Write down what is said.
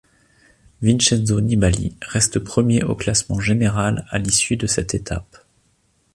Vincenzo Nibali reste premier au classement général à l'issue de cette étape.